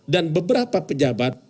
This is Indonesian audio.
dan beberapa pejabat